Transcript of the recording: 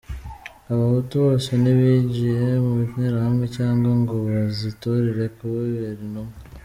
Abahutu bose ntibinjiye mu Interahamwe, cyangwa ngo bazitorere kubabera intumwa.